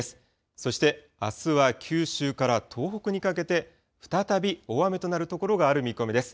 そしてあすは九州から東北にかけて、再び大雨となる所がある見込みです。